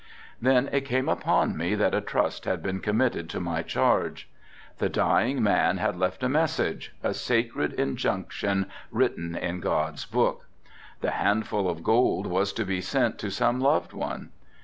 Then it came upon me that a trust had been committed to my charge. The dying man had left a message, a sacred injunction written in God's Book. The handful of gold was to be sent to some loved one.